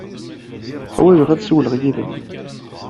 Ḥwajeɣ ad ssiwleɣ yid-m.